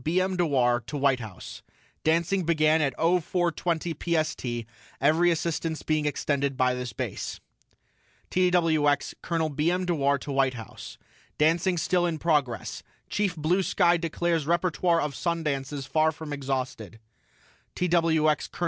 B. M. DEWAR TO WHITE HOUSE: DANCING BEGAN AT OH FOUR TWENTY PST EVERY ASSISTANCE BEING EXTENDED BY THIS BASE TWX COL. B. M. DEWAR TO WHITE HOUSE: DANCING STILL IN PROGRESS CHIEF BLUE SKY DECLARES REPERTOIRE OF SUN DANCES FAR FROM EXHAUSTED TWX COL.